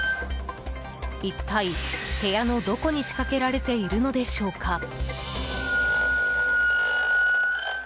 一体、部屋のどこに仕掛けられているのでしょうか。